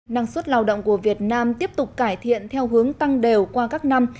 năng suất lao động của việt nam tiếp tục cải thiện theo hướng tăng đều qua các năm